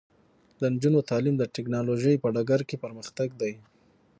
د نجونو تعلیم د ټیکنالوژۍ په ډګر کې پرمختګ دی.